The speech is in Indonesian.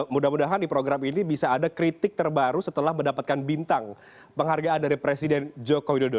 mudah mudahan di program ini bisa ada kritik terbaru setelah mendapatkan bintang penghargaan dari presiden joko widodo